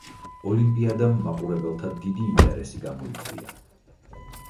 ოლიმპიადამ მაყურებელთა დიდი ინტერესი გამოიწვია.